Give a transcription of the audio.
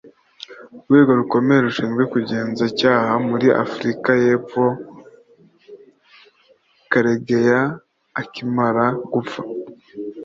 Urwego rukomeye rushinzwe kugenza ibyaha muri Afurika y’Epfo Karegeya akimara gupfa